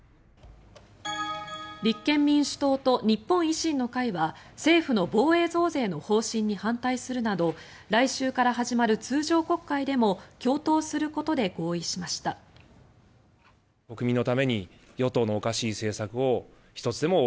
立憲民主党と日本維新の会は政府の防衛増税の方針に反対するなど来週から始まる通常国会でも共闘することで合意しました。